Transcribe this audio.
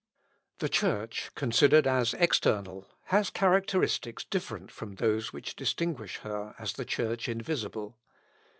The Church considered as external, has characteristics different from those which distinguish her as the Church invisible.